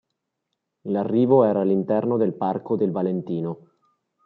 L'arrivo era all'interno del Parco del Valentino.